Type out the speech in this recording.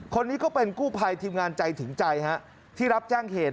คนนี้ก็เป็นกู้ภัยทีมงานใจถึงใจฮะที่รับแจ้งเหตุ